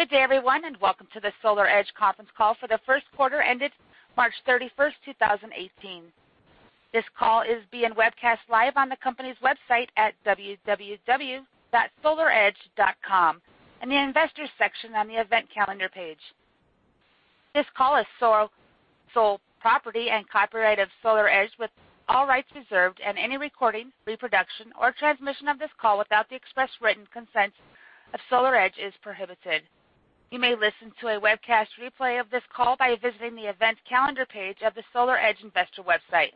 Good day, everyone, and welcome to the SolarEdge conference call for the first quarter ended March 31, 2018. This call is being webcast live on the company's website at solaredge.com in the Investors section on the Event Calendar page. This call is sole property and copyright of SolarEdge with all rights reserved, and any recording, reproduction, or transmission of this call without the express written consent of SolarEdge is prohibited. You may listen to a webcast replay of this call by visiting the Event Calendar page of the SolarEdge investor website.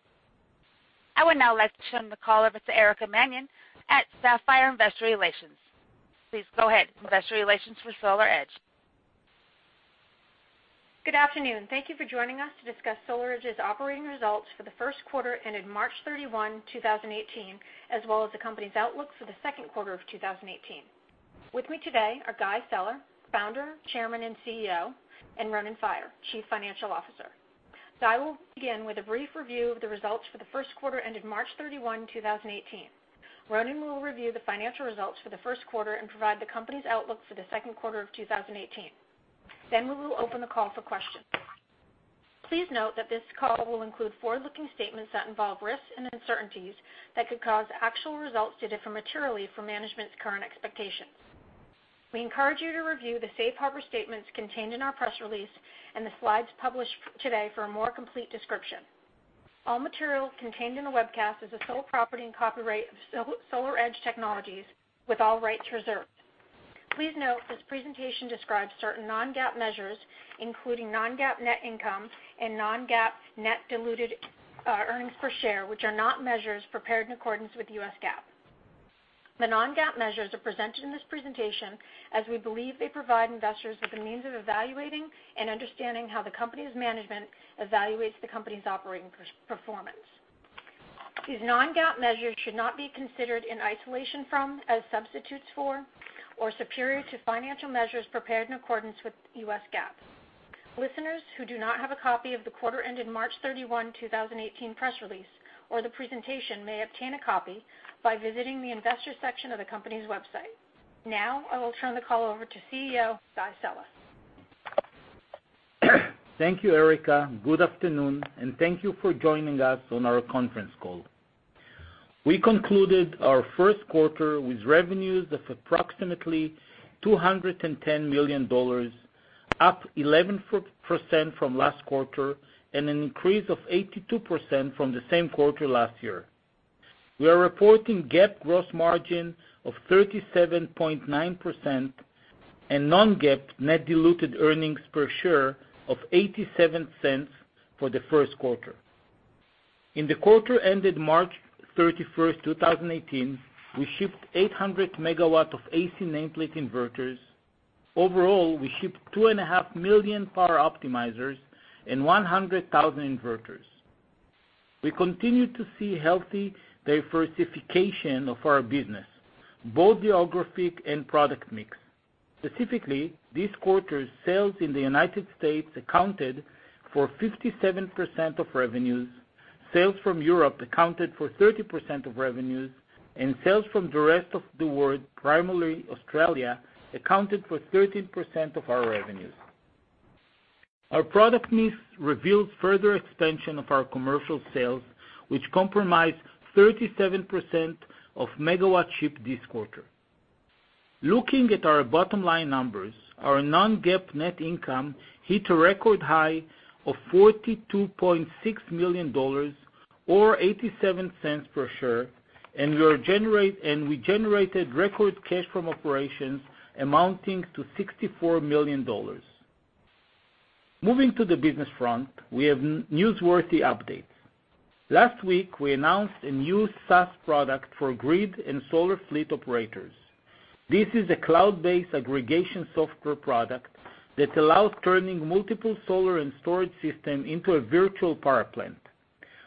I would now like to turn the call over to Erica Mannion at Sapphire Investor Relations. Please go ahead, investor relations for SolarEdge. Good afternoon. Thank you for joining us to discuss SolarEdge's operating results for the first quarter ended March 31, 2018, as well as the company's outlook for the second quarter of 2018. With me today are Guy Sella, Founder, Chairman, and CEO, and Ronen Faier, Chief Financial Officer. Guy will begin with a brief review of the results for the first quarter ended March 31, 2018. Ronen will review the financial results for the first quarter and provide the company's outlook for the second quarter of 2018. Then we will open the call for questions. Please note that this call will include forward-looking statements that involve risks and uncertainties that could cause actual results to differ materially from management's current expectations. We encourage you to review the safe harbor statements contained in our press release and the slides published today for a more complete description. All material contained in the webcast is the sole property and copyright of SolarEdge Technologies with all rights reserved. Please note this presentation describes certain non-GAAP measures, including non-GAAP net income and non-GAAP net diluted earnings per share, which are not measures prepared in accordance with U.S. GAAP. The non-GAAP measures are presented in this presentation as we believe they provide investors with a means of evaluating and understanding how the company's management evaluates the company's operating performance. These non-GAAP measures should not be considered in isolation from, as substitutes for, or superior to financial measures prepared in accordance with U.S. GAAP. Listeners who do not have a copy of the quarter ended March 31, 2018, press release or the presentation may obtain a copy by visiting the Investors section of the company's website. Now I will turn the call over to CEO Guy Sella. Thank you, Erica. Good afternoon, and thank you for joining us on our conference call. We concluded our first quarter with revenues of approximately $210 million, up 11% from last quarter and an increase of 82% from the same quarter last year. We are reporting GAAP gross margin of 37.9% and non-GAAP net diluted earnings per share of $0.87 for the first quarter. In the quarter ended March 31, 2018, we shipped 800 MW of AC nameplate inverters. Overall, we shipped 2.5 million Power Optimizers and 100,000 inverters. We continue to see healthy diversification of our business, both geographic and product mix. Specifically, this quarter's sales in the U.S. accounted for 57% of revenues. Sales from Europe accounted for 30% of revenues, and sales from the rest of the world, primarily Australia, accounted for 13% of our revenues. Our product mix reveals further expansion of our commercial sales, which comprise 37% of megawatts shipped this quarter. Looking at our bottom line numbers, our non-GAAP net income hit a record high of $42.6 million or $0.87 per share, and we generated record cash from operations amounting to $64 million. Moving to the business front, we have newsworthy updates. Last week, we announced a new SaaS product for grid and solar fleet operators. This is a cloud-based aggregation software product that allows turning multiple solar and storage system into a Virtual Power Plant.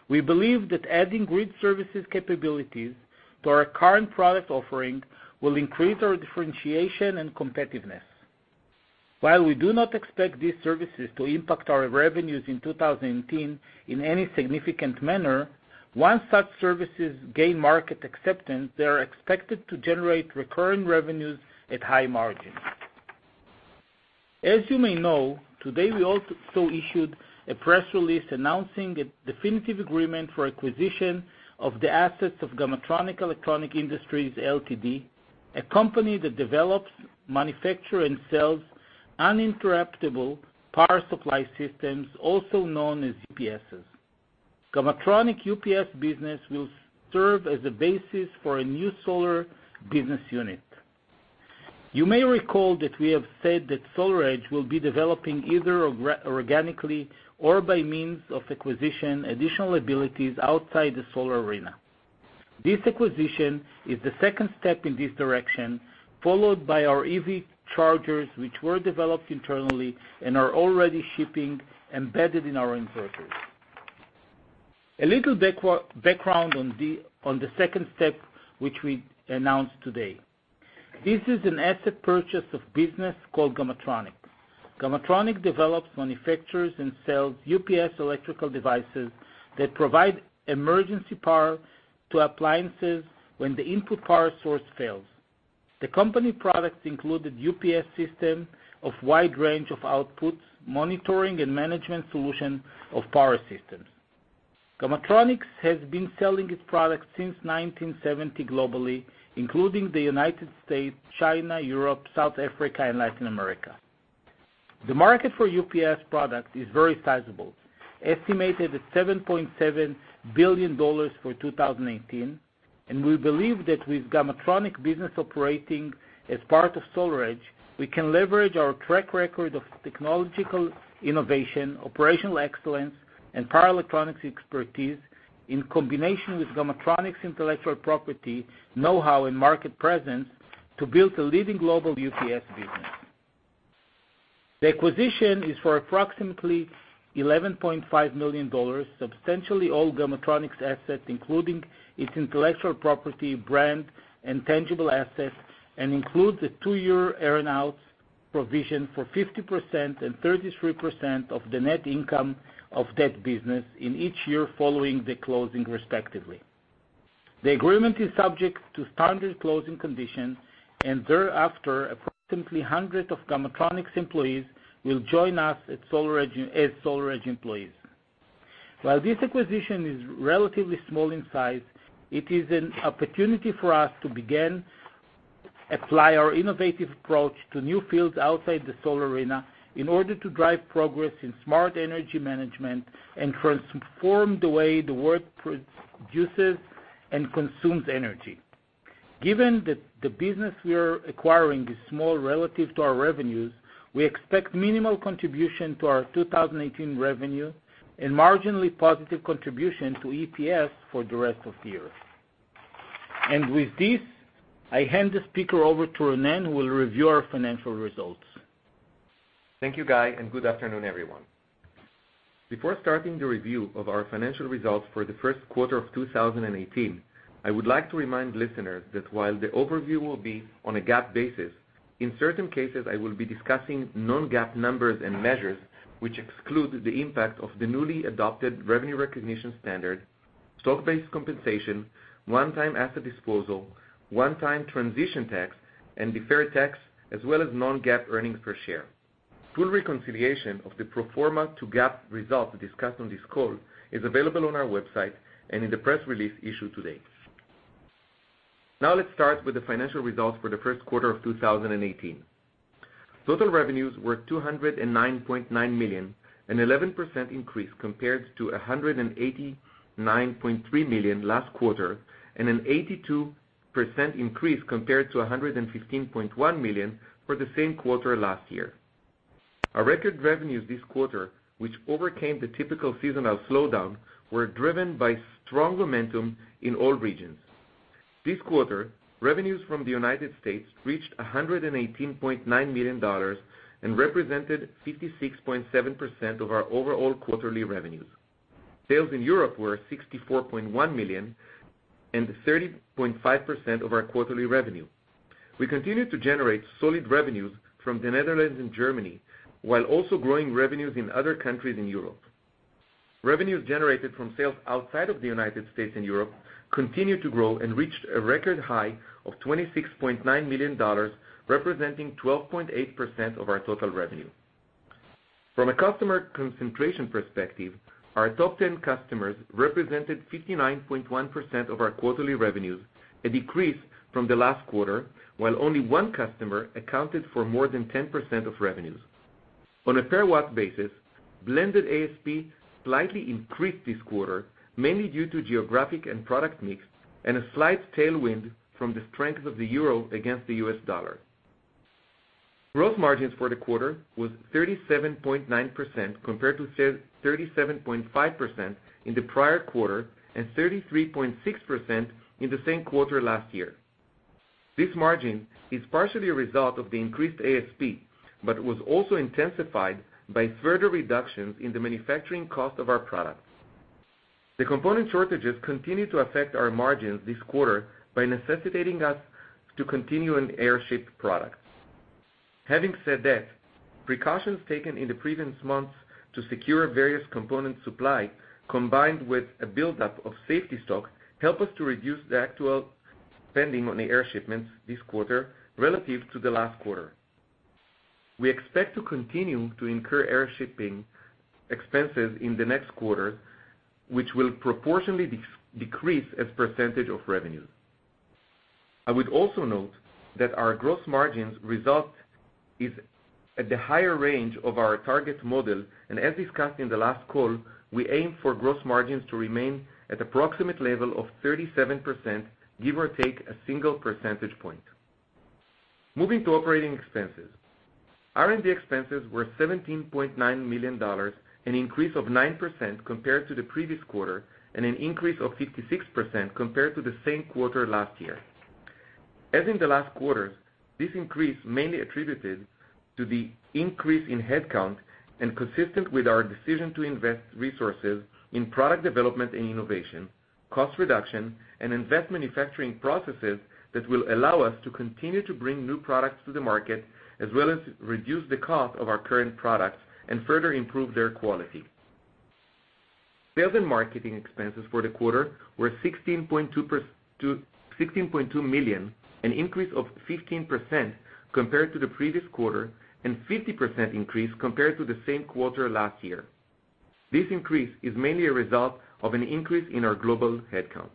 We believe that adding grid services capabilities to our current product offering will increase our differentiation and competitiveness. While we do not expect these services to impact our revenues in 2018 in any significant manner, once such services gain market acceptance, they are expected to generate recurring revenues at high margins. As you may know, today we also issued a press release announcing a definitive agreement for acquisition of the assets of Gamatronic Electronic Industries Ltd, a company that develops, manufactures, and sells uninterruptible power supply systems, also known as UPSs. Gamatronic UPS business will serve as the basis for a new solar business unit. You may recall that we have said that SolarEdge will be developing either organically or by means of acquisition, additional abilities outside the solar arena. This acquisition is the second step in this direction, followed by our EV chargers, which were developed internally and are already shipping embedded in our inverters. A little background on the second step, which we announced today. This is an asset purchase of business called Gamatronic. Gamatronic develops, manufactures, and sells UPS electrical devices that provide emergency power to appliances when the input power source fails. The company's products included UPS systems of wide range of outputs, monitoring and management solutions of power systems. Gamatronic has been selling its products since 1970 globally, including the U.S., China, Europe, South Africa, and Latin America. The market for UPS products is very sizable, estimated at $7.7 billion for 2018, and we believe that with Gamatronic business operating as part of SolarEdge, we can leverage our track record of technological innovation, operational excellence, and power electronics expertise in combination with Gamatronic's intellectual property, know-how, and market presence to build a leading global UPS business. The acquisition is for approximately $11.5 million, substantially all Gamatronic's assets, including its intellectual property, brand, and tangible assets, and includes a two-year earn-out provision for 50% and 33% of the net income of that business in each year following the closing, respectively. The agreement is subject to standard closing conditions. Thereafter, approximately 100 of Gamatronic's employees will join us as SolarEdge employees. While this acquisition is relatively small in size, it is an opportunity for us to begin to apply our innovative approach to new fields outside the solar arena in order to drive progress in smart energy management and transform the way the world produces and consumes energy. Given that the business we are acquiring is small relative to our revenues, we expect minimal contribution to our 2018 revenue and marginally positive contribution to EPS for the rest of the year. With this, I hand the speaker over to Ronen, who will review our financial results. Thank you, Guy, and good afternoon, everyone. Before starting the review of our financial results for the first quarter of 2018, I would like to remind listeners that while the overview will be on a GAAP basis, in certain cases, I will be discussing non-GAAP numbers and measures which exclude the impact of the newly adopted revenue recognition standard, stock-based compensation, one-time asset disposal, one-time transition tax, and deferred tax, as well as non-GAAP earnings per share. Full reconciliation of the pro forma to GAAP results discussed on this call is available on our website and in the press release issued today. Let's start with the financial results for the first quarter of 2018. Total revenues were $209.9 million, an 11% increase compared to $189.3 million last quarter and an 82% increase compared to $115.1 million for the same quarter last year. Our record revenues this quarter, which overcame the typical seasonal slowdown, were driven by strong momentum in all regions. This quarter, revenues from the United States reached $118.9 million and represented 56.7% of our overall quarterly revenues. Sales in Europe were $64.1 million and 30.5% of our quarterly revenue. We continued to generate solid revenues from the Netherlands and Germany, while also growing revenues in other countries in Europe. Revenues generated from sales outside of the United States and Europe continued to grow and reached a record high of $26.9 million, representing 12.8% of our total revenue. From a customer concentration perspective, our top 10 customers represented 59.1% of our quarterly revenues, a decrease from the last quarter, while only one customer accounted for more than 10% of revenues. On a per-watt basis, blended ASP slightly increased this quarter, mainly due to geographic and product mix and a slight tailwind from the strength of the EUR against the U.S. dollar. Gross margins for the quarter was 37.9%, compared to 37.5% in the prior quarter and 33.6% in the same quarter last year. This margin is partially a result of the increased ASP, but was also intensified by further reductions in the manufacturing cost of our products. The component shortages continued to affect our margins this quarter by necessitating us to continue and air-ship product. Having said that, precautions taken in the previous months to secure various component supply combined with a buildup of safety stock helped us to reduce the actual spending on the air shipments this quarter relative to the last quarter. We expect to continue to incur air shipping expenses in the next quarter, which will proportionally decrease as % of revenue. I would also note that our gross margins result is at the higher range of our target model, and as discussed in the last call, we aim for gross margins to remain at approximate level of 37%, give or take a single percentage point. Moving to operating expenses. R&D expenses were $17.9 million, an increase of 9% compared to the previous quarter and an increase of 56% compared to the same quarter last year. As in the last quarter, this increase mainly attributed to the increase in headcount and consistent with our decision to invest resources in product development and innovation. Cost reduction and invest manufacturing processes that will allow us to continue to bring new products to the market, as well as reduce the cost of our current products and further improve their quality. Sales and marketing expenses for the quarter were $16.2 million, an increase of 15% compared to the previous quarter, and 50% increase compared to the same quarter last year. This increase is mainly a result of an increase in our global headcount.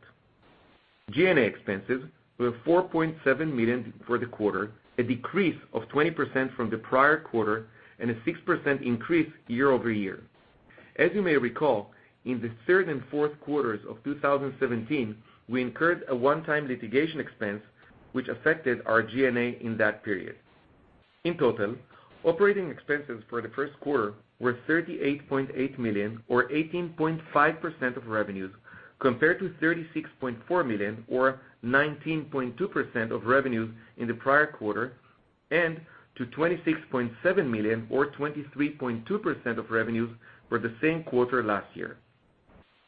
G&A expenses were $4.7 million for the quarter, a decrease of 20% from the prior quarter and a 6% increase year-over-year. As you may recall, in the third and fourth quarters of 2017, we incurred a one-time litigation expense, which affected our G&A in that period. In total, operating expenses for the first quarter were $38.8 million or 18.5% of revenues, compared to $36.4 million or 19.2% of revenues in the prior quarter, and to $26.7 million or 23.2% of revenues for the same quarter last year.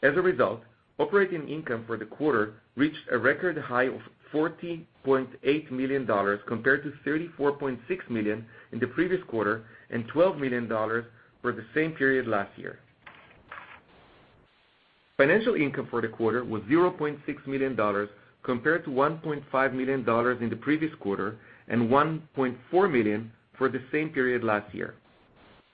As a result, operating income for the quarter reached a record high of $40.8 million, compared to $34.6 million in the previous quarter and $12 million for the same period last year. Financial income for the quarter was $0.6 million compared to $1.5 million in the previous quarter and $1.4 million for the same period last year.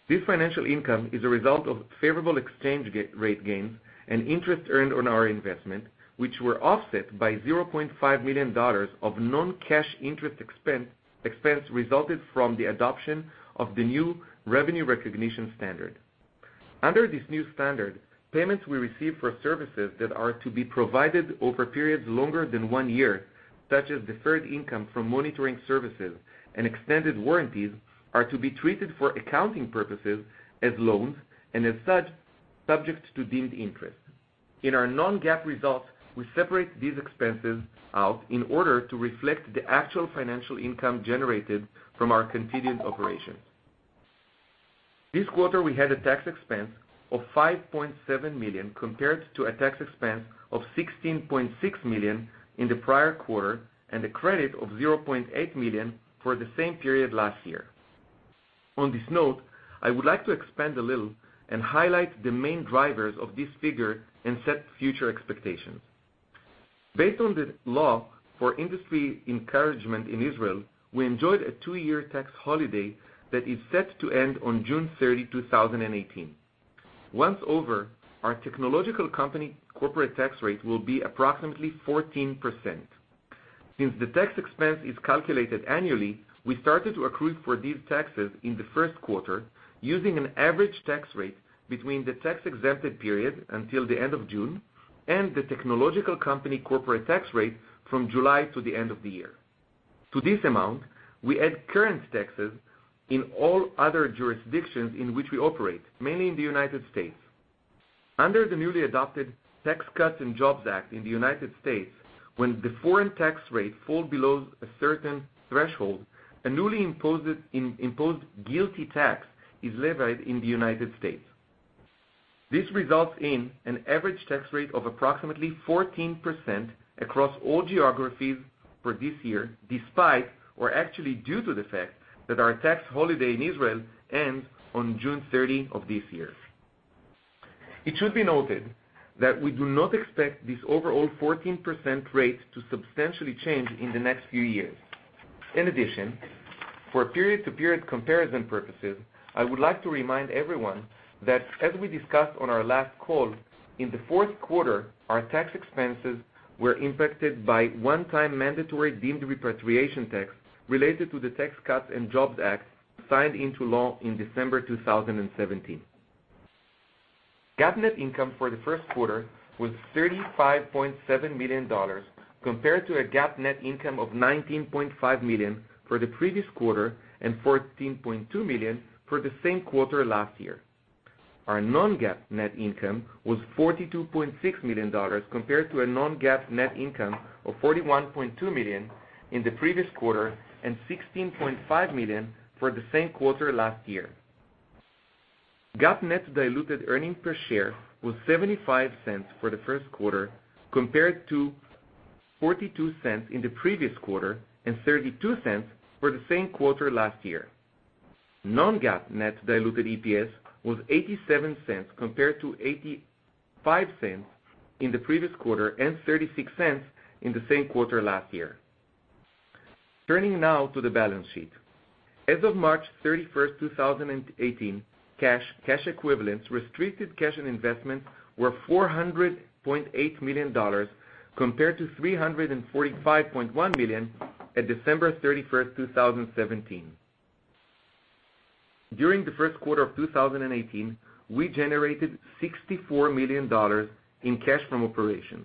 This financial income is a result of favorable exchange rate gains and interest earned on our investment, which were offset by $0.5 million of non-cash interest expense resulted from the adoption of the new revenue recognition standard. Under this new standard, payments we receive for services that are to be provided over periods longer than one year, such as deferred income from monitoring services and extended warranties, are to be treated for accounting purposes as loans, and as such, subject to deemed interest. In our non-GAAP results, we separate these expenses out in order to reflect the actual financial income generated from our continuing operations. This quarter, we had a tax expense of $5.7 million, compared to a tax expense of $16.6 million in the prior quarter, and a credit of $0.8 million for the same period last year. On this note, I would like to expand a little and highlight the main drivers of this figure and set future expectations. Based on the law for industry encouragement in Israel, we enjoyed a two-year tax holiday that is set to end on June 30, 2018. Once over, our technological company corporate tax rate will be approximately 14%. Since the tax expense is calculated annually, we started to accrue for these taxes in the first quarter, using an average tax rate between the tax-exempted period until the end of June and the technological company corporate tax rate from July to the end of the year. To this amount, we add current taxes in all other jurisdictions in which we operate, mainly in the U.S. Under the newly adopted Tax Cuts and Jobs Act in the U.S., when the foreign tax rate falls below a certain threshold, a newly imposed GILTI tax is levied in the U.S. This results in an average tax rate of approximately 14% across all geographies for this year, despite or actually due to the fact that our tax holiday in Israel ends on June 30 of this year. It should be noted that we do not expect this overall 14% rate to substantially change in the next few years. In addition, for period-to-period comparison purposes, I would like to remind everyone that as we discussed on our last call, in the fourth quarter, our tax expenses were impacted by one-time mandatory deemed repatriation tax related to the Tax Cuts and Jobs Act signed into law in December 2017. GAAP net income for the first quarter was $35.7 million, compared to a GAAP net income of $19.5 million for the previous quarter and $14.2 million for the same quarter last year. Our non-GAAP net income was $42.6 million, compared to a non-GAAP net income of $41.2 million in the previous quarter and $16.5 million for the same quarter last year. GAAP net diluted earnings per share was $0.75 for the first quarter, compared to $0.42 in the previous quarter and $0.32 for the same quarter last year. Non-GAAP net diluted EPS was $0.87, compared to $0.85 in the previous quarter and $0.36 in the same quarter last year. Turning now to the balance sheet. As of March 31, 2018, cash equivalents, restricted cash, and investments were $400.8 million, compared to $345.1 million at December 31, 2017. During the first quarter of 2018, we generated $64 million in cash from operations.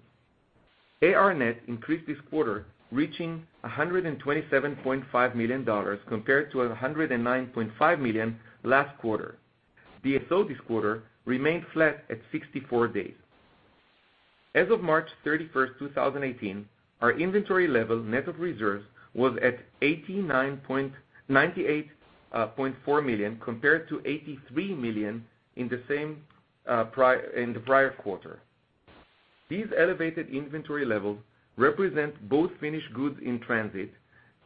AR net increased this quarter, reaching $127.5 million, compared to $109.5 million last quarter. DSO this quarter remained flat at 64 days. As of March 31, 2018, our inventory level net of reserves was at $98.2 million compared to $83 million in the prior quarter. These elevated inventory levels represent both finished goods in transit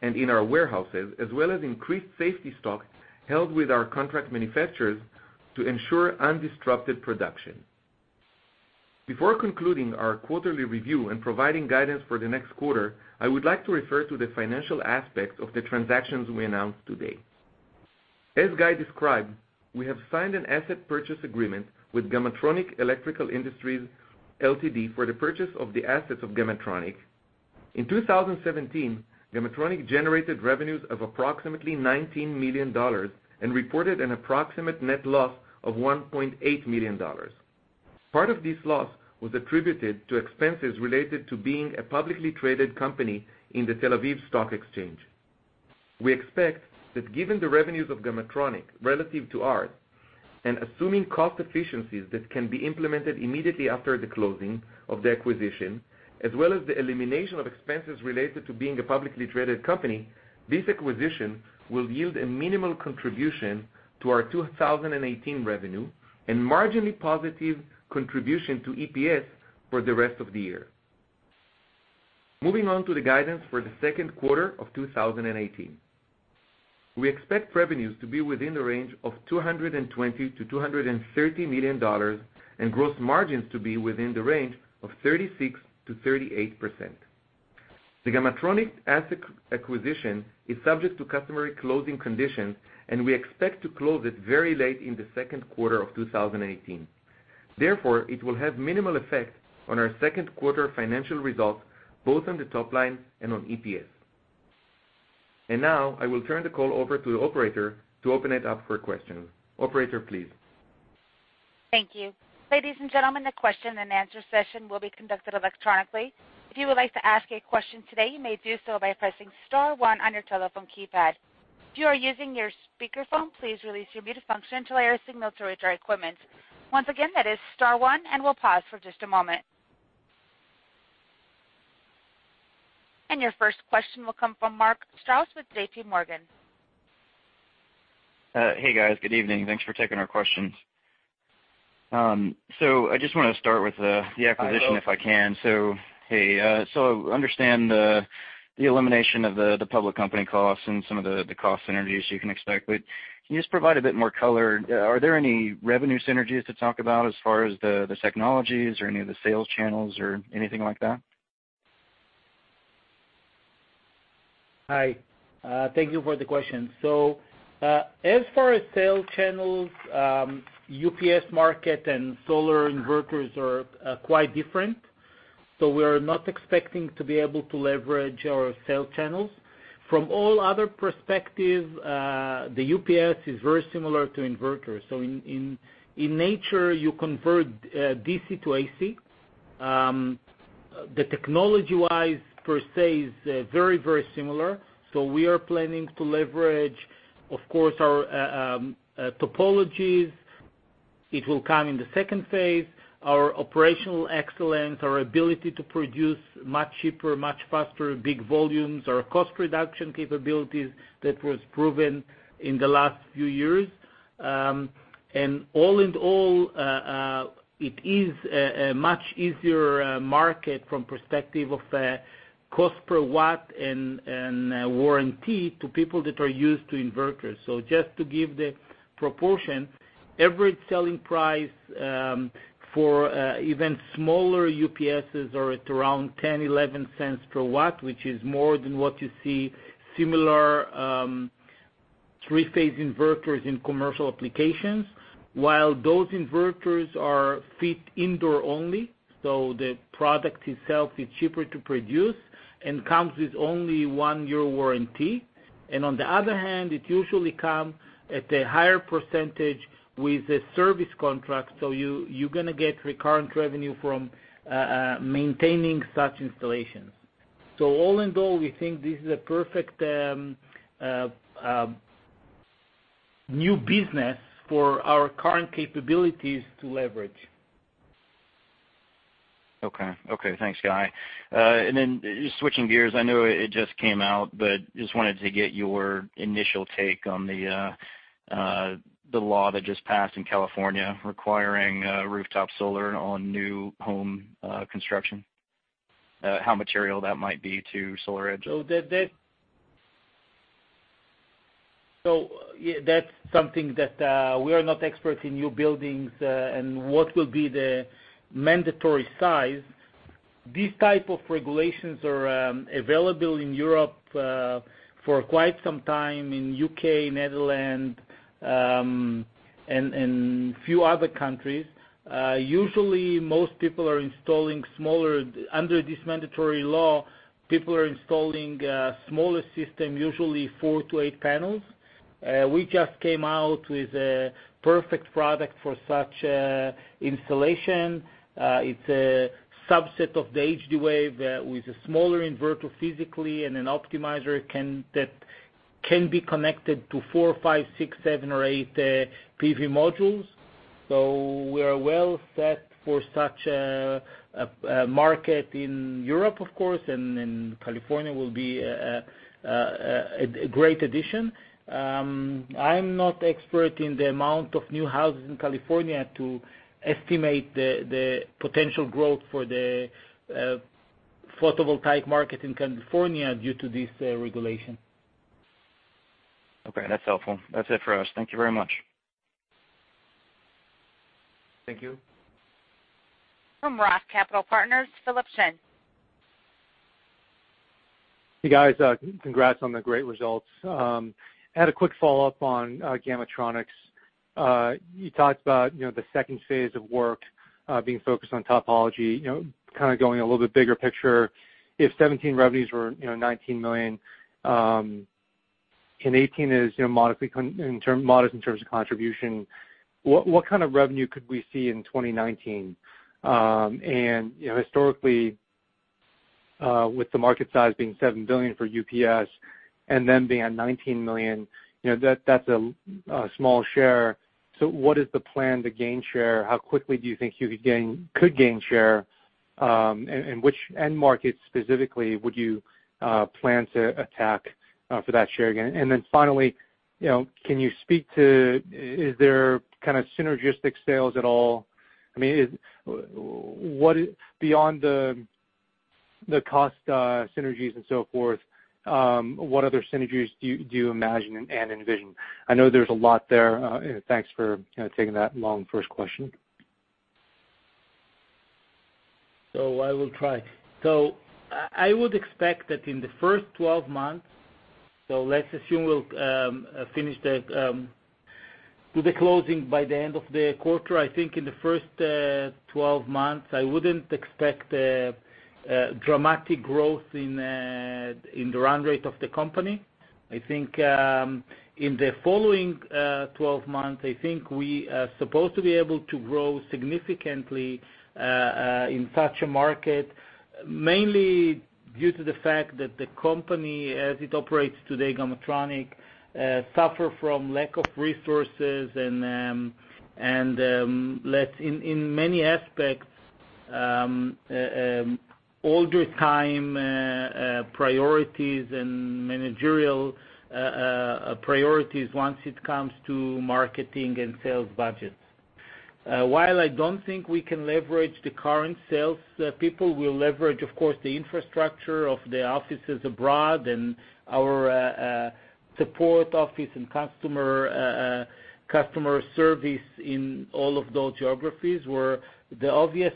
and in our warehouses, as well as increased safety stock held with our contract manufacturers to ensure undisrupted production. Before concluding our quarterly review and providing guidance for the next quarter, I would like to refer to the financial aspect of the transactions we announced today. As Guy described, we have signed an asset purchase agreement with Gamatronic Electronic Industries Ltd., for the purchase of the assets of Gamatronic. In 2017, Gamatronic generated revenues of approximately $19 million and reported an approximate net loss of $1.8 million. Part of this loss was attributed to expenses related to being a publicly traded company in the Tel Aviv Stock Exchange. We expect that given the revenues of Gamatronic relative to ours, and assuming cost efficiencies that can be implemented immediately after the closing of the acquisition, as well as the elimination of expenses related to being a publicly traded company, this acquisition will yield a minimal contribution to our 2018 revenue and marginally positive contribution to EPS for the rest of the year. Moving on to the guidance for the second quarter of 2018. We expect revenues to be within the range of $220 million-$230 million, and gross margins to be within the range of 36%-38%. The Gamatronic asset acquisition is subject to customary closing conditions, and we expect to close it very late in the second quarter of 2018. Therefore, it will have minimal effect on our second quarter financial results, both on the top line and on EPS. I will turn the call over to the operator to open it up for questions. Operator, please. Thank you. Ladies and gentlemen, the question and answer session will be conducted electronically. If you would like to ask a question today, you may do so by pressing star one on your telephone keypad. If you are using your speakerphone, please release your mute function to allow your signal to reach our equipment. Once again, that is star one, we'll pause for just a moment. Your first question will come from Mark Strouse with JPMorgan. Hey, guys. Good evening. Thanks for taking our questions. I just want to start with the acquisition- Hi, Mark if I can. Hey. I understand the elimination of the public company costs and some of the cost synergies you can expect, but can you just provide a bit more color? Are there any revenue synergies to talk about as far as the technologies or any of the sales channels or anything like that? Hi. Thank you for the question. As far as sales channels, UPS market and solar inverters are quite different. We're not expecting to be able to leverage our sales channels. From all other perspective, the UPS is very similar to inverters. In nature, you convert DC to AC. The technology-wise per se is very similar. We are planning to leverage, of course, our topologies. It will come in the second phase. Our operational excellence, our ability to produce much cheaper, much faster, big volumes, our cost reduction capabilities that was proven in the last few years. All in all, it is a much easier market from perspective of cost per watt and warranty to people that are used to inverters. Just to give the proportion, average selling price for even smaller UPS is at around $0.10-$0.11 per watt, which is more than what you see similar three-phase inverters in commercial applications. While those inverters are fit indoor only, so the product itself is cheaper to produce and comes with only one-year warranty. On the other hand, it usually come at a higher % with a service contract, so you're going to get recurrent revenue from maintaining such installations. All in all, we think this is a perfect new business for our current capabilities to leverage. Okay. Thanks, Guy. Then just switching gears, I know it just came out, but just wanted to get your initial take on the law that just passed in California requiring rooftop solar on new home construction. How material that might be to SolarEdge? That's something that we are not experts in new buildings, and what will be the mandatory size. These type of regulations are available in Europe for quite some time, in U.K., Netherlands, and few other countries. Usually, most people are installing smaller under this mandatory law. People are installing smaller system, usually four to eight panels. We just came out with a perfect product for such installation. It's a subset of the HD-Wave with a smaller inverter physically and an optimizer that can be connected to four, five, six, seven or eight PV modules. We are well set for such a market in Europe, of course, and California will be a great addition. I'm not expert in the amount of new houses in California to estimate the potential growth for the photovoltaic market in California due to this regulation. Okay. That's helpful. That's it for us. Thank you very much. Thank you. From Roth Capital Partners, Philip Shen. Hey, guys. Congrats on the great results. I had a quick follow-up on Gamatronic. You talked about the second phase of work being focused on topology, kind of going a little bit bigger picture. If 2017 revenues were $19 million, and 2018 is modest in terms of contribution, what kind of revenue could we see in 2019? Historically, with the market size being $7 billion for UPS and then being $19 million, that's a small share. What is the plan to gain share? How quickly do you think you could gain share? Which end market specifically would you plan to attack for that share gain? Finally, can you speak to, is there kind of synergistic sales at all? Beyond the cost synergies and so forth, what other synergies do you imagine and envision? I know there's a lot there. Thanks for taking that long first question. I will try. I would expect that in the first 12 months, let's assume we'll finish the closing by the end of the quarter. I think in the first 12 months, I wouldn't expect a dramatic growth in the run rate of the company. I think in the following 12 months, I think we are supposed to be able to grow significantly in such a market, mainly due to the fact that the company, as it operates today, Gamatronic, suffer from lack of resources and lacks, in many aspects, older time priorities and managerial priorities once it comes to marketing and sales budgets. While I don't think we can leverage the current salespeople, we'll leverage, of course, the infrastructure of the offices abroad and our support office and customer service in all of those geographies, where the obvious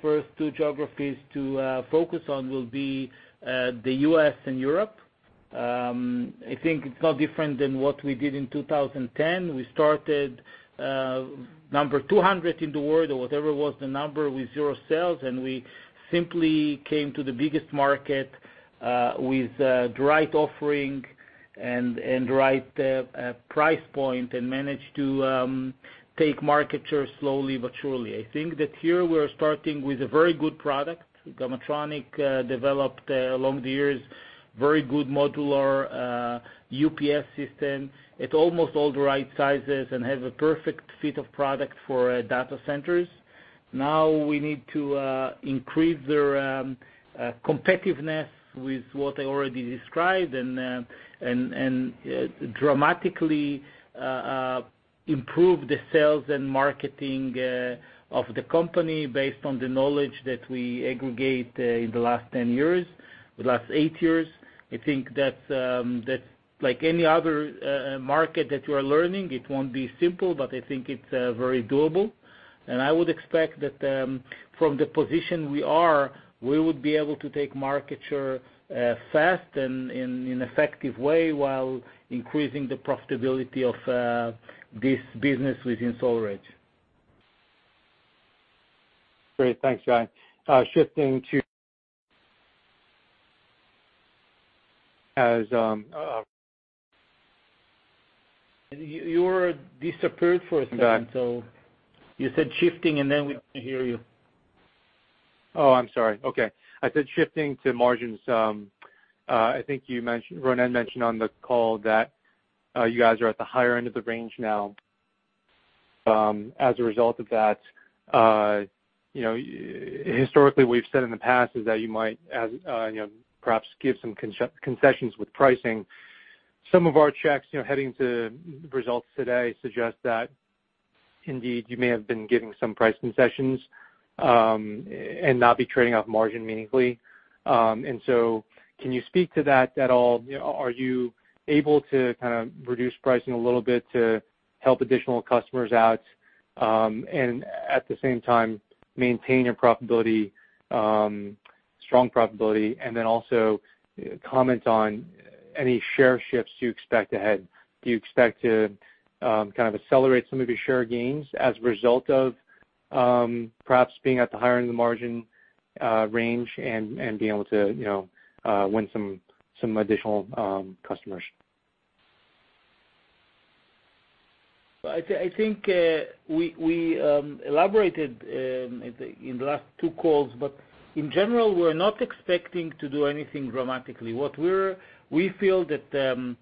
first two geographies to focus on will be the U.S. and Europe. I think it's no different than what we did in 2010. We started number 200 in the world, or whatever was the number, with zero sales, and we simply came to the biggest market with the right offering and the right price point and managed to take market share slowly but surely. I think that here we're starting with a very good product. Gamatronic developed, along the years, very good modular UPS system at almost all the right sizes and has a perfect fit of product for data centers. We need to increase their competitiveness with what I already described and dramatically improve the sales and marketing of the company based on the knowledge that we aggregate in the last 10 years, the last eight years. I think that like any other market that you are learning, it won't be simple, but I think it's very doable. I would expect that from the position we are, we would be able to take market share fast and in effective way while increasing the profitability of this business within SolarEdge. Great. Thanks, Guy. You disappeared for a second. I'm back. You said shifting, and then we couldn't hear you. Oh, I'm sorry. Okay. I said shifting to margins. I think Ronen mentioned on the call that you guys are at the higher end of the range now. As a result of that, historically, we've said in the past is that you might perhaps give some concessions with pricing. Some of our checks heading to results today suggest that indeed, you may have been giving some price concessions, and not be trading off margin meaningfully. Can you speak to that at all? Are you able to kind of reduce pricing a little bit to help additional customers out, and at the same time, maintain your strong profitability? Also comment on any share shifts you expect ahead. Do you expect to kind of accelerate some of your share gains as a result of perhaps being at the higher end of margin range and being able to win some additional customers? I think we elaborated in the last two calls. In general, we're not expecting to do anything dramatically. We feel that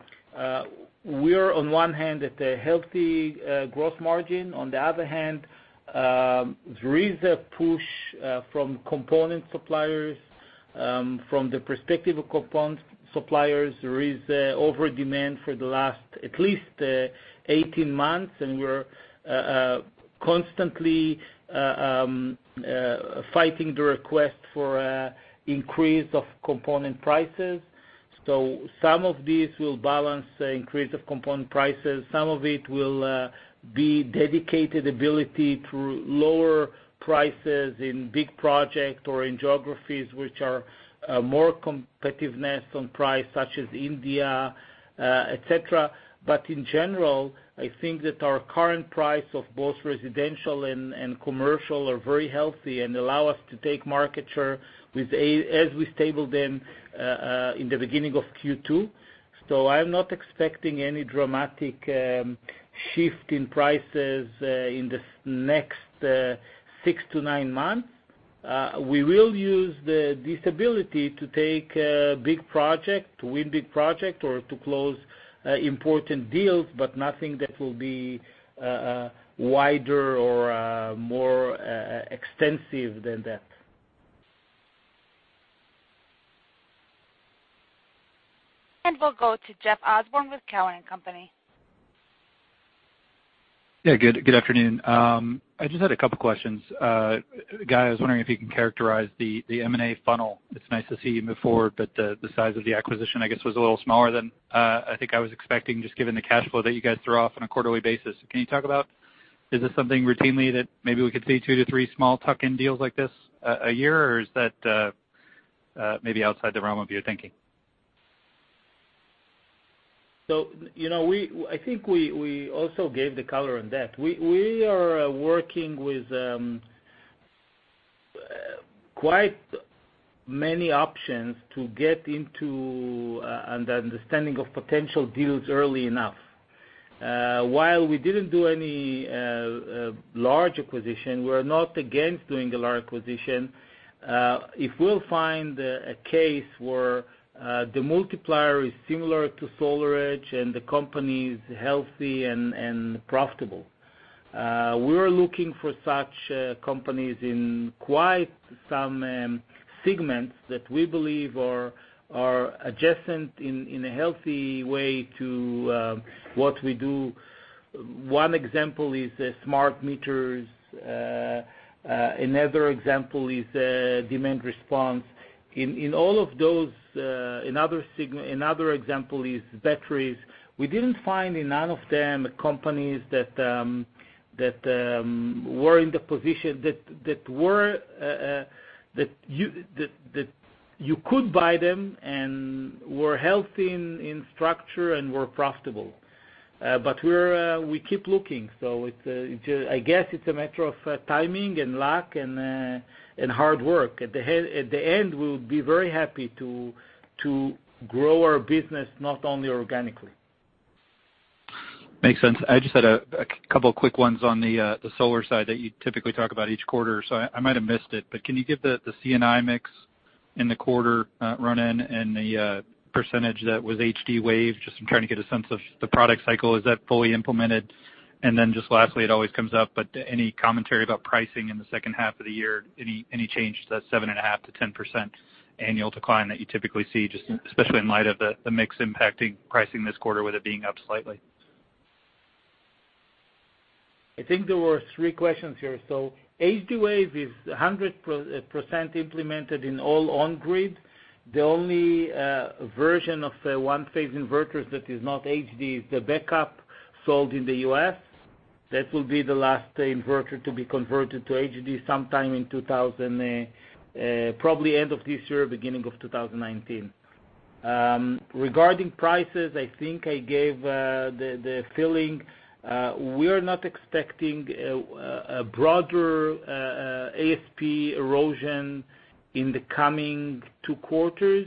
we're on one hand at a healthy gross margin. On the other hand, there is a push from component suppliers. From the perspective of component suppliers, there is over-demand for the last at least 18 months, and we're constantly fighting the request for increase of component prices. Some of these will balance the increase of component prices. Some of it will be dedicated ability to lower prices in big project or in geographies which are more competitiveness on price, such as India, et cetera. In general, I think that our current price of both residential and commercial are very healthy and allow us to take market share as we stable them in the beginning of Q2. I'm not expecting any dramatic shift in prices in the next six to nine months. We will use this ability to take big project, to win big project, or to close important deals, but nothing that will be wider or more extensive than that. We'll go to Jeff Osborne with Cowen and Company. Yeah. Good afternoon. I just had a couple of questions. Guy, I was wondering if you can characterize the M&A funnel. It's nice to see you move forward, but the size of the acquisition, I guess, was a little smaller than I think I was expecting, just given the cash flow that you guys throw off on a quarterly basis. Can you talk about, is this something routinely that maybe we could see two to three small tuck-in deals like this a year, or is that maybe outside the realm of your thinking? I think we also gave the color on that. We are working with quite many options to get into an understanding of potential deals early enough. While we didn't do any large acquisition, we're not against doing a large acquisition. If we'll find a case where the multiplier is similar to SolarEdge and the company is healthy and profitable. We're looking for such companies in quite some segments that we believe are adjacent in a healthy way to what we do. One example is smart meters. Another example is demand response. Another example is batteries. We didn't find in none of them companies that you could buy them and were healthy in structure and were profitable. We keep looking. I guess it's a matter of timing and luck and hard work. At the end, we'll be very happy to grow our business, not only organically. Makes sense. I just had a couple of quick ones on the solar side that you typically talk about each quarter, so I might have missed it, but can you give the C&I mix in the quarter, Ronen, and the percentage that was HD-Wave, just I'm trying to get a sense of the product cycle. Is that fully implemented? Just lastly, it always comes up, but any commentary about pricing in the second half of the year? Any change to that 7.5%-10% annual decline that you typically see, just especially in light of the mix impacting pricing this quarter, with it being up slightly. I think there were three questions here. HD-Wave is 100% implemented in all on grid. The only version of the one-phase inverters that is not HD is the backup sold in the U.S. That will be the last inverter to be converted to HD sometime in probably end of this year, beginning of 2019. Regarding prices, I think I gave the feeling. We're not expecting a broader ASP erosion in the coming 2 quarters.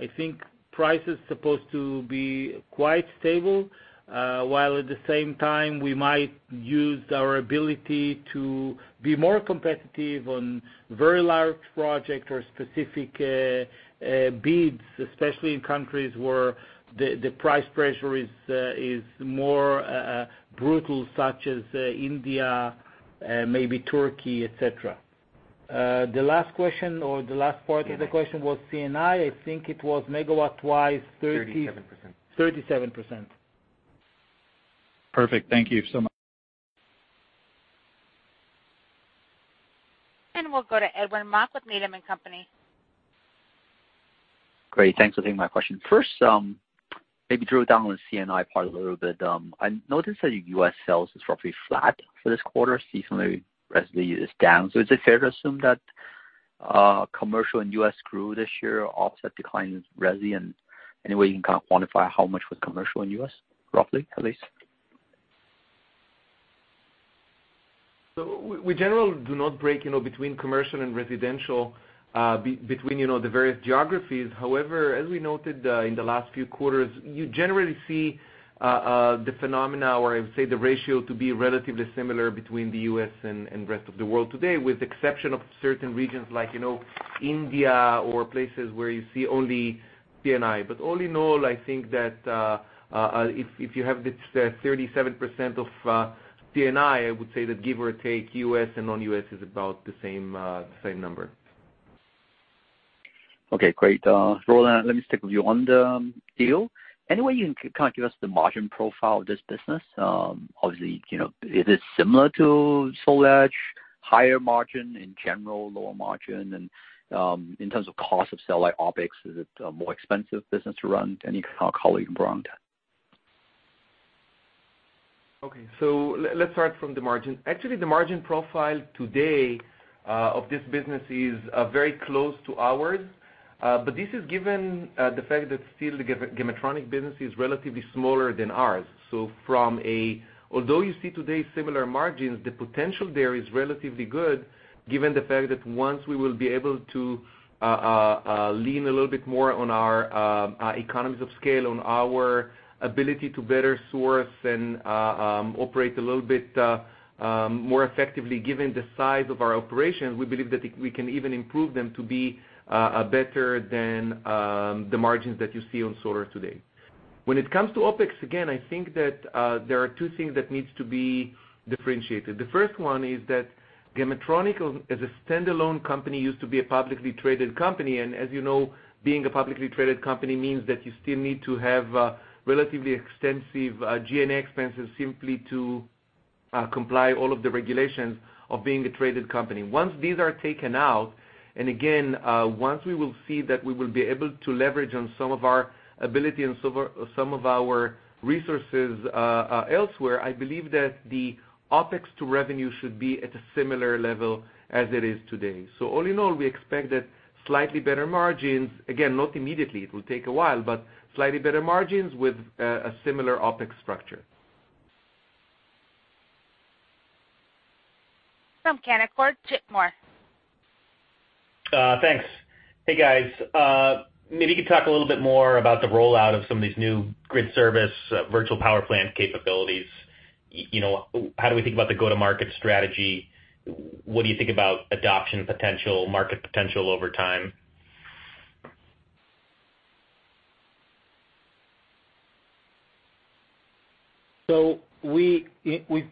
I think price is supposed to be quite stable. While at the same time, we might use our ability to be more competitive on very large project or specific bids, especially in countries where the price pressure is more brutal, such as India, maybe Turkey, et cetera. The last question or the last part of the question was C&I. I think it was megawatt wise- 37%. 37%. Perfect. Thank you so much. We'll go to Edwin Mok with Needham & Company. Great. Thanks for taking my question. First, maybe drill down on the C&I part a little bit. I noticed that your U.S. sales is roughly flat for this quarter, seasonally resi is down. Is it fair to assume that commercial and U.S. grew this year offset decline in resi? Any way you can kind of quantify how much was commercial in U.S., roughly, at least? We generally do not break between commercial and residential, between the various geographies. However, as we noted in the last few quarters, you generally see the phenomena, or I would say, the ratio to be relatively similar between the U.S. and rest of the world today, with exception of certain regions like India or places where you see only C&I. All in all, I think that if you have the 37% of C&I would say that give or take U.S. and non-U.S. is about the same number. Okay, great. Ronen, let me stick with you. On the deal, any way you can kind of give us the margin profile of this business? Obviously, is it similar to SolarEdge, higher margin in general, lower margin? And in terms of cost of sale, like OpEx, is it a more expensive business to run? Any kind of color you can provide on that. Okay. Let's start from the margin. Actually, the margin profile today of this business is very close to ours. But this is given the fact that still the Gamatronic business is relatively smaller than ours. Although you see today similar margins, the potential there is relatively good given the fact that once we will be able to lean a little bit more on our economies of scale, on our ability to better source and operate a little bit more effectively given the size of our operations, we believe that we can even improve them to be better than the margins that you see on SolarEdge today. When it comes to OpEx, again, I think that there are two things that needs to be differentiated. The first one is that Gamatronic, as a standalone company, used to be a publicly traded company, and as you know, being a publicly traded company means that you still need to have relatively extensive G&A expenses simply to comply all of the regulations of being a traded company. Once these are taken out, and again, once we will see that we will be able to leverage on some of our ability and some of our resources elsewhere, I believe that the OpEx to revenue should be at a similar level as it is today. All in all, we expect that slightly better margins, again, not immediately, it will take a while, but slightly better margins with a similar OpEx structure. From Canaccord, Chip Moore. Thanks. Hey, guys. Maybe you could talk a little bit more about the rollout of some of these new grid service Virtual Power Plant capabilities. How do we think about the go-to-market strategy? What do you think about adoption potential, market potential over time? With the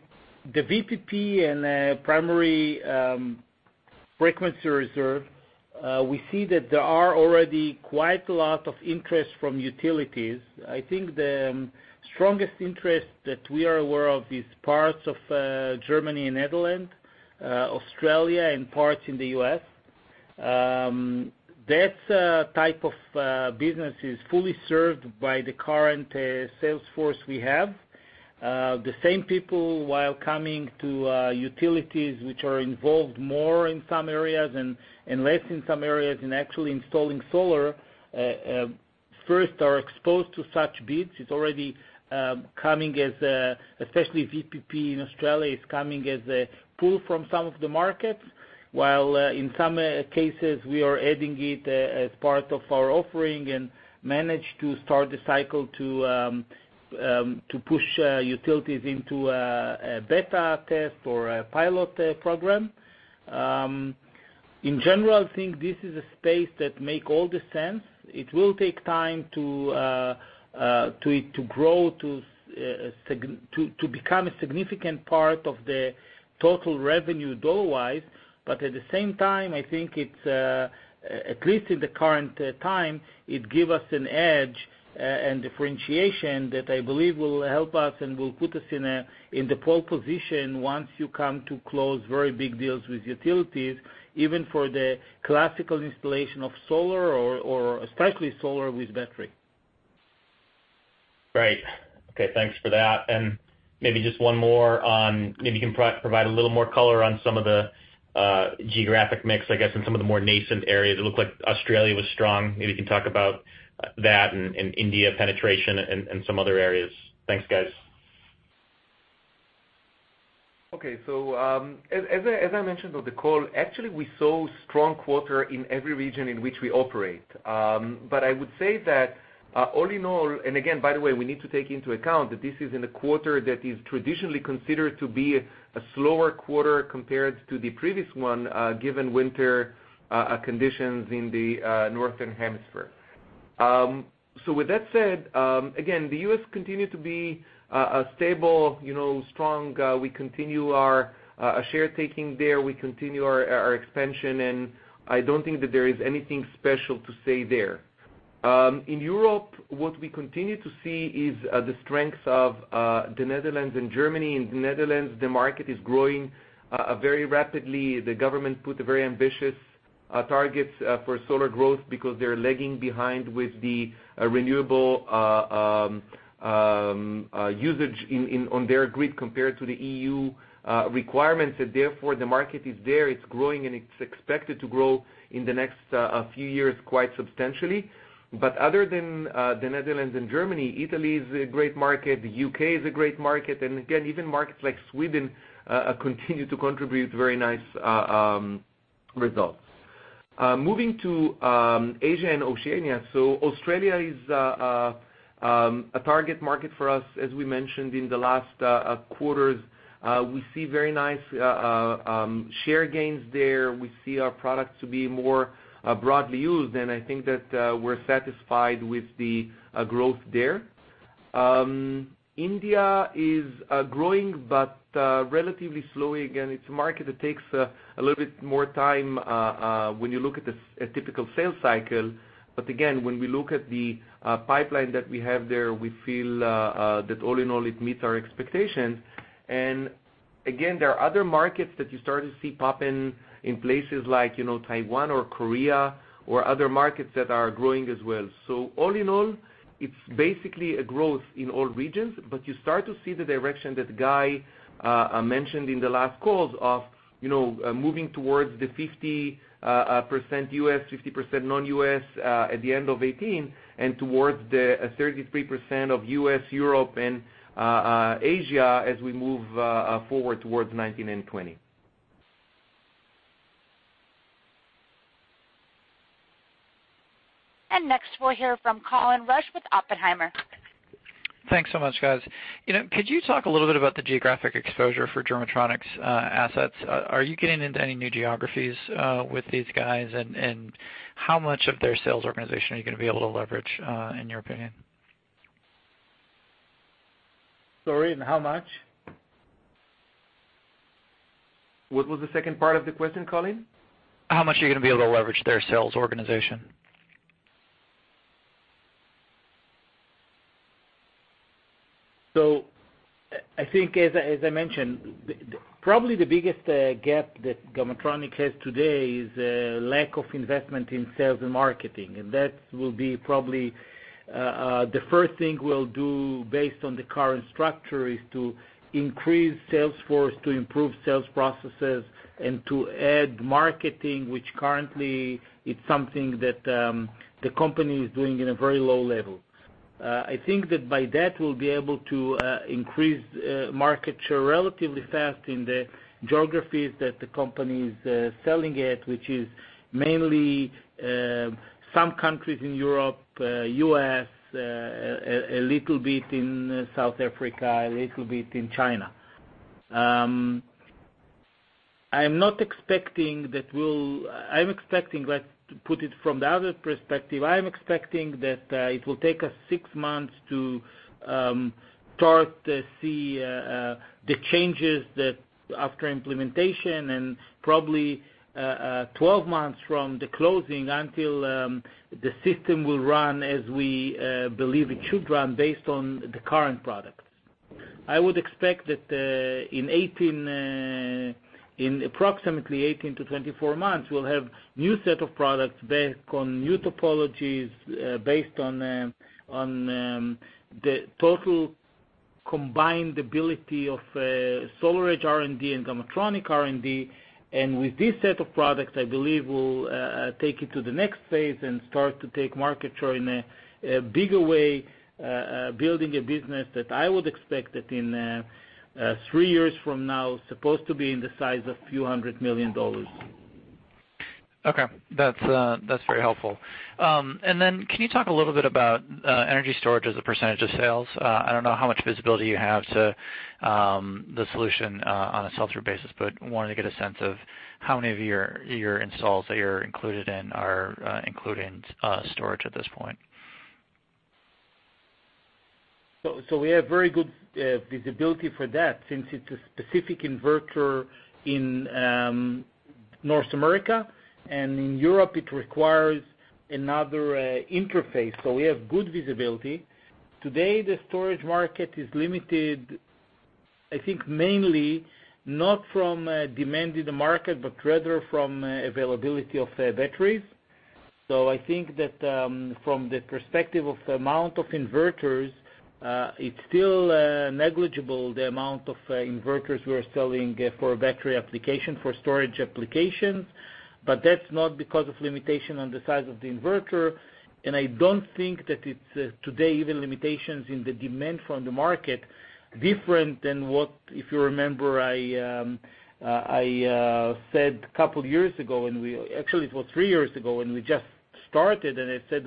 VPP and Primary Frequency Reserve, we see that there are already quite a lot of interest from utilities. I think the strongest interest that we are aware of is parts of Germany and Netherlands, Australia, and parts in the U.S. That type of business is fully served by the current sales force we have. The same people, while coming to utilities which are involved more in some areas and less in some areas in actually installing solar, first are exposed to such bids. It's already coming as, especially VPP in Australia, is coming as a pull from some of the markets, while in some cases, we are adding it as part of our offering and manage to start the cycle to push utilities into a beta test or a pilot program. In general, I think this is a space that make all the sense. It will take time to grow to become a significant part of the total revenue dollar-wise, but at the same time, I think at least in the current time, it give us an edge and differentiation that I believe will help us and will put us in the pole position once you come to close very big deals with utilities, even for the classical installation of solar or especially solar with battery. Great. Okay, thanks for that. Maybe just one more on, maybe you can provide a little more color on some of the geographic mix, I guess, in some of the more nascent areas. It looked like Australia was strong. Maybe you can talk about that and India penetration and some other areas. Thanks, guys. As I mentioned on the call, actually we saw strong quarter in every region in which we operate. I would say that all in all, and again, by the way, we need to take into account that this is in a quarter that is traditionally considered to be a slower quarter compared to the previous one, given winter conditions in the Northern Hemisphere. With that said, again, the U.S. continued to be stable, strong. We continue our share taking there. We continue our expansion, and I don't think that there is anything special to say there. In Europe, what we continue to see is the strengths of the Netherlands and Germany. In the Netherlands, the market is growing very rapidly. The government put very ambitious targets for solar growth because they're lagging behind with the renewable usage on their grid compared to the EU requirements. Therefore, the market is there. It's growing, and it's expected to grow in the next few years quite substantially. Other than the Netherlands and Germany, Italy is a great market, the U.K. is a great market, and again, even markets like Sweden continue to contribute very nice results. Moving to Asia and Oceania. Australia is a target market for us, as we mentioned in the last quarters. We see very nice share gains there. We see our products to be more broadly used, and I think that we're satisfied with the growth there. India is growing, but relatively slowly. Again, it's a market that takes a little bit more time when you look at the typical sales cycle. Again, when we look at the pipeline that we have there, we feel that all in all, it meets our expectations. Again, there are other markets that you start to see popping in places like Taiwan or Korea or other markets that are growing as well. All in all, it's basically a growth in all regions, but you start to see the direction that Guy mentioned in the last calls of moving towards the 50% U.S., 50% non-U.S. at the end of 2018, and towards the 33% of U.S., Europe, and Asia as we move forward towards 2019 and 2020. Next, we'll hear from Colin Rusch with Oppenheimer. Thanks so much, guys. Could you talk a little bit about the geographic exposure for Gamatronic's assets? Are you getting into any new geographies with these guys? How much of their sales organization are you going to be able to leverage, in your opinion? Sorry, in how much? What was the second part of the question, Colin? How much are you going to be able to leverage their sales organization? As I mentioned, probably the biggest gap that Gamatronic has today is lack of investment in sales and marketing. That will be probably the first thing we'll do based on the current structure, is to increase sales force, to improve sales processes, and to add marketing, which currently is something that the company is doing in a very low level. I think that by that, we'll be able to increase market share relatively fast in the geographies that the company is selling at, which is mainly some countries in Europe, U.S., a little bit in South Africa, a little bit in China. To put it from the other perspective, I'm expecting that it will take us six months to start to see the changes after implementation, and probably 12 months from the closing until the system will run as we believe it should run based on the current products. I would expect that in approximately 18 to 24 months, we'll have new set of products based on new topologies, based on the total combined ability of SolarEdge R&D and Gamatronic R&D. With this set of products, I believe we'll take it to the next phase and start to take market share in a bigger way, building a business that I would expect that in three years from now, supposed to be in the size of few hundred million dollars. Okay. That's very helpful. Then, can you talk a little bit about energy storage as a % of sales? I don't know how much visibility you have to the solution on a sell-through basis, but wanted to get a sense of how many of your installs that you're included in are including storage at this point. We have very good visibility for that since it's a specific inverter in North America. In Europe, it requires another interface. We have good visibility. Today, the storage market is limited, I think, mainly not from demand in the market, but rather from availability of batteries. I think that from the perspective of the amount of inverters, it's still negligible the amount of inverters we are selling for battery application, for storage applications. That's not because of limitation on the size of the inverter, and I don't think that it's today even limitations in the demand from the market different than what, if you remember, I said a couple years ago, actually it was 3 years ago, when we just started, and I said,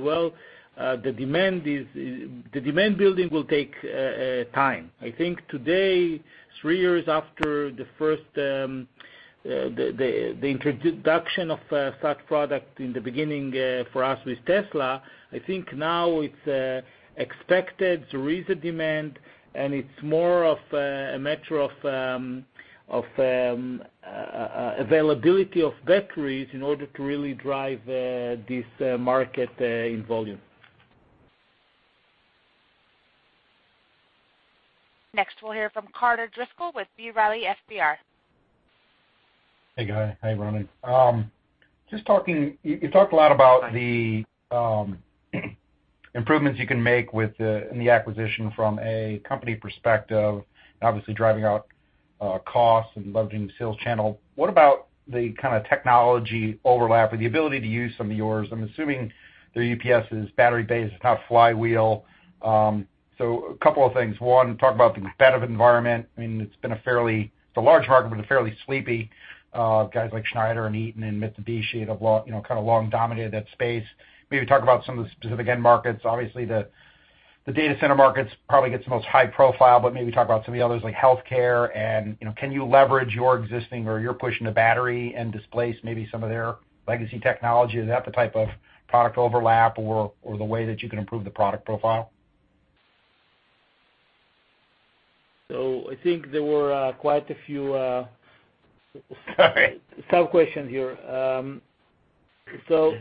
"Well, the demand building will take time." I think today, 3 years after the first introduction of such product in the beginning for us with Tesla, I think now it's expected. There is a demand, and it's more of a matter of availability of batteries in order to really drive this market in volume. Next, we'll hear from Carter Driscoll with B. Riley FBR. Hey, Guy. Hey, Ronen. You talked a lot about the improvements you can make in the acquisition from a company perspective, and obviously driving out costs and leveraging the sales channel. What about the kind of technology overlap or the ability to use some of yours? I'm assuming their UPS is battery-based, it's not flywheel. A couple of things. One, talk about the competitive environment. It's a large market, but a fairly sleepy. Guys like Schneider and Eaton and Mitsubishi have kind of long dominated that space. Maybe talk about some of the specific end markets. Obviously, the data center markets probably gets the most high profile, but maybe talk about some of the others like healthcare and can you leverage your existing or you're pushing a battery and displace maybe some of their legacy technology? Is that the type of product overlap or the way that you can improve the product profile? I think there were quite a few. Sorry. Sub-questions here. The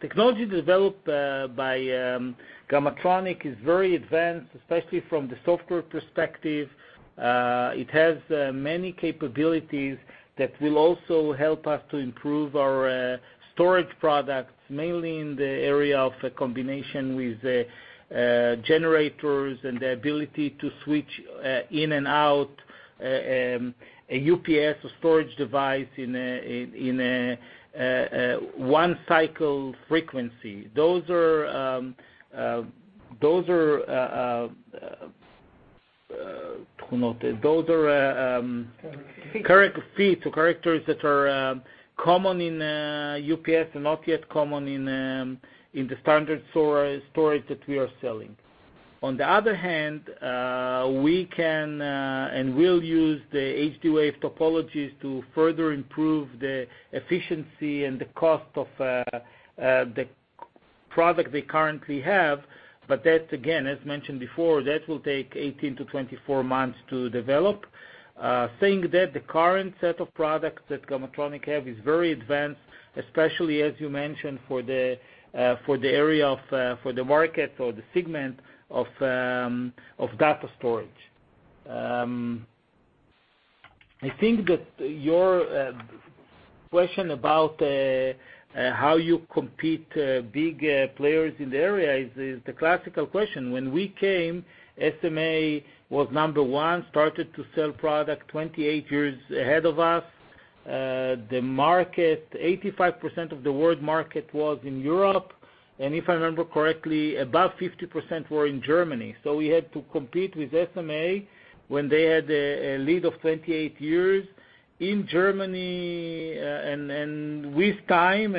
technology developed by Gamatronic is very advanced, especially from the software perspective. It has many capabilities that will also help us to improve our storage products, mainly in the area of a combination with generators and the ability to switch in and out a UPS, a storage device, in a one-cycle frequency. Those are characteristics that are common in UPS and not yet common in the standard storage that we are selling. On the other hand, we can and will use the HD-Wave topologies to further improve the efficiency and the cost of the product we currently have. That, again, as mentioned before, that will take 18 to 24 months to develop. Saying that, the current set of products that Gamatronic have is very advanced, especially as you mentioned, for the market or the segment of data storage. I think that your question about how you compete big players in the area is the classical question. When we came, SMA was number 1, started to sell product 28 years ahead of us. 85% of the world market was in Europe, and if I remember correctly, about 50% were in Germany. We had to compete with SMA when they had a lead of 28 years in Germany. With time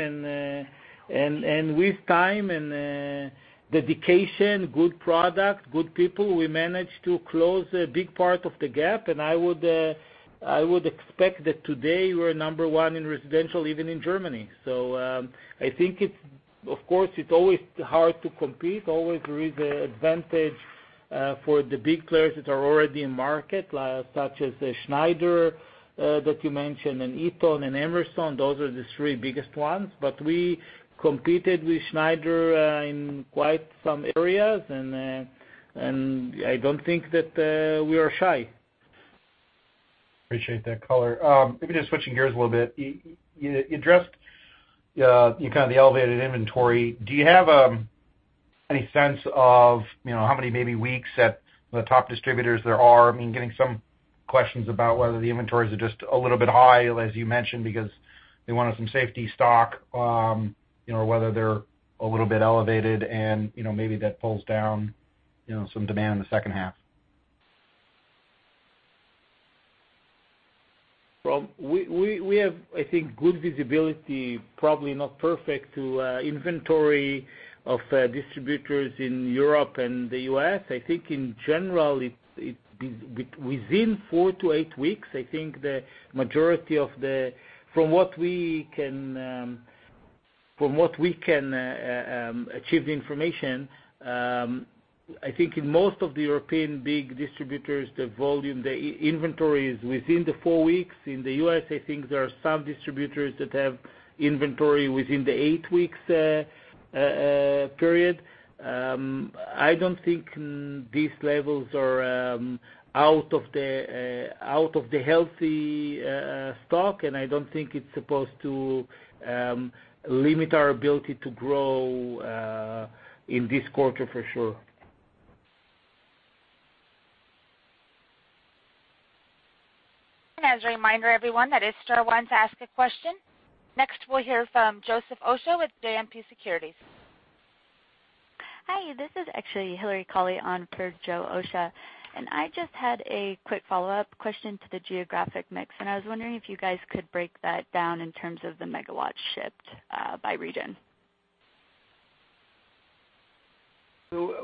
and dedication, good product, good people, we managed to close a big part of the gap, and I would expect that today we're number 1 in residential, even in Germany. I think, of course, it's always hard to compete. Always there is an advantage for the big players that are already in market, such as Schneider, that you mentioned, and Eaton and Emerson. Those are the three biggest ones, we competed with Schneider in quite some areas, and I don't think that we are shy. Appreciate that color. Maybe just switching gears a little bit. You addressed the elevated inventory. Do you have any sense of how many, maybe weeks that the top distributors there are? I mean, getting some questions about whether the inventories are just a little bit high, as you mentioned, because they wanted some safety stock, or whether they're a little bit elevated and maybe that pulls down some demand in the second half. Well, we have, I think, good visibility, probably not perfect to inventory of distributors in Europe and the U.S. I think in general, within 4-8 weeks, I think the majority, from what we can achieve the information, I think in most of the European big distributors, the volume, the inventory is within the four weeks. In the U.S., I think there are some distributors that have inventory within the eight weeks period. I don't think these levels are out of the healthy stock, and I don't think it's supposed to limit our ability to grow in this quarter for sure. As a reminder, everyone, that star one to ask a question. Next, we'll hear from Joseph Osha with JMP Securities. Hi, this is actually Hilary Cloyd on for Joe Osha. I just had a quick follow-up question to the geographic mix. I was wondering if you guys could break that down in terms of the megawatts shipped by region.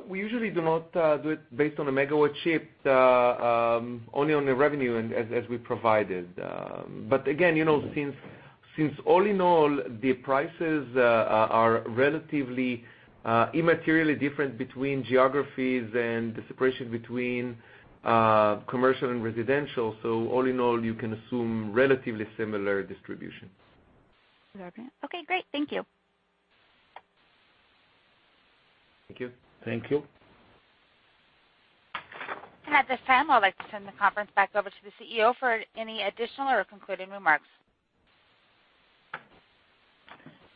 We usually do not do it based on a megawatt shipped, only on the revenue as we provided. Again, since all in all, the prices are relatively immaterially different between geographies and the separation between commercial and residential, all in all, you can assume relatively similar distribution. Okay, great. Thank you. Thank you. Thank you. At this time, I'd like to turn the conference back over to the CEO for any additional or concluding remarks.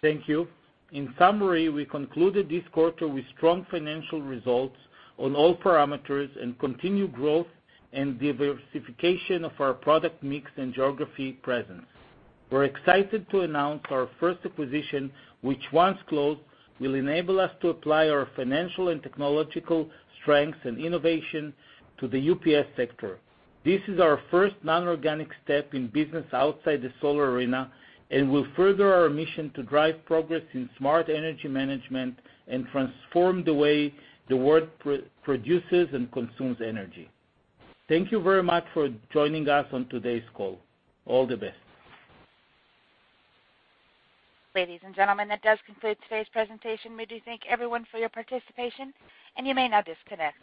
Thank you. In summary, we concluded this quarter with strong financial results on all parameters and continued growth and diversification of our product mix and geography presence. We're excited to announce our first acquisition, which once closed, will enable us to apply our financial and technological strengths and innovation to the UPS sector. This is our first non-organic step in business outside the solar arena and will further our mission to drive progress in smart energy management and transform the way the world produces and consumes energy. Thank you very much for joining us on today's call. All the best. Ladies and gentlemen, that does conclude today's presentation. We do thank everyone for your participation, and you may now disconnect.